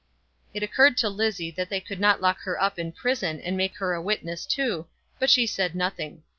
It occurred to Lizzie that they could not lock her up in prison and make her a witness too, but she said nothing.